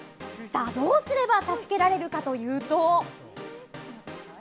どうすれば助けられるかというと。